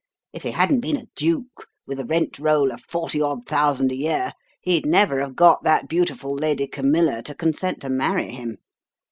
If he hadn't been a duke, with a rent roll of forty odd thousand a year, he'd never have got that beautiful Lady Camilla to consent to marry him.